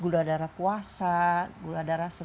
gula darah puasa gula darah segar